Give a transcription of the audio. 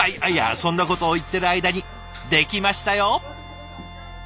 そんなことを言ってる間に出来ましたよ。